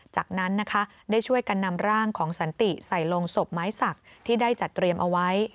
จากนั้นนะคะได้ช่วยกันนำร่างของสันติใส่ลงศพไม้สักที่ได้จัดเตรียมเอาไว้